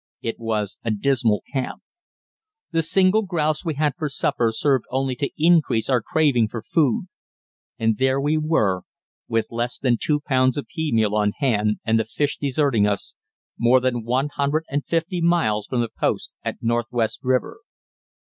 It was a dismal camp. The single grouse we had for supper served only to increase our craving for food. And there we were, with less than two pounds of pea meal on hand and the fish deserting us, more than one hundred and fifty miles from the post at Northwest River.